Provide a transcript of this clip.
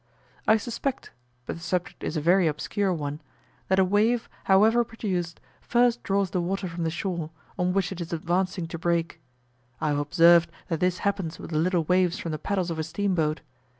I suspect (but the subject is a very obscure one) that a wave, however produced, first draws the water from the shore, on which it is advancing to break: I have observed that this happens with the little waves from the paddles of a steam boat.